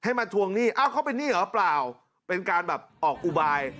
มาทวงหนี้อ้าวเขาเป็นหนี้เหรอเปล่าเป็นการแบบออกอุบาย